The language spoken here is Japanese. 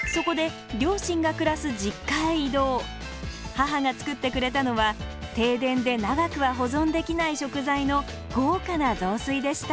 母が作ってくれたのは停電で長くは保存できない食材の豪華な雑炊でした。